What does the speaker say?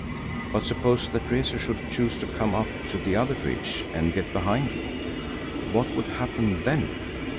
"But suppose that Rezu should choose to come up to the other ridge and get behind you. What would happen then?"